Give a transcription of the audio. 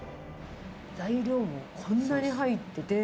材料もこんなに入ってて。